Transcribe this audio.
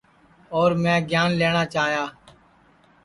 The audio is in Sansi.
اور میں گیان لئیوٹؔا چاہی